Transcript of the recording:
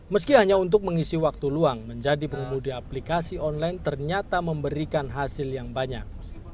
meski hanya untuk mengisi waktu luang menjadi pengemudi aplikasi online ternyata memberikan hasil yang banyak